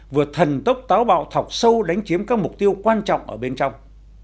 vừa thần tốc táo bạo thọc sâu đánh chiếm các mục tiêu quan trọng ở bên trong